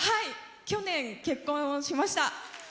去年、結婚をしました。